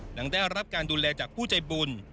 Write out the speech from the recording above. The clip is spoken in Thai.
หลังได้รับการดูแลจากผู้ใจบุญ